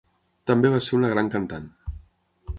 També va ser una gran cantant.